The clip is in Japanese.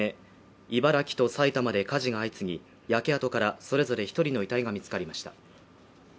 茨城と埼玉で火事が相次ぎ焼け跡からそれぞれ一人の遺体が見つかりました